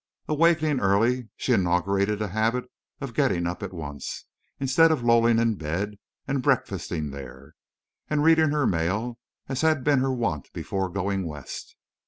Awakening early, she inaugurated a habit of getting up at once, instead of lolling in bed, and breakfasting there, and reading her mail, as had been her wont before going West.